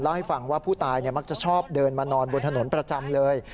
ให้ฟังว่าผู้ตายมักจะชอบเดินมานอนบนถนนประจำเลย